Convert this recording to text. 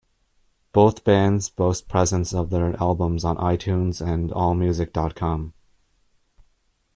Both bands boast presence of their albums on iTunes and Allmusic.com.